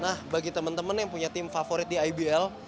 nah bagi teman teman yang punya tim favorit di ibl